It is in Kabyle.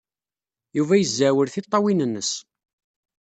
Yuba yezzeɛwel tiṭṭawin-nnes.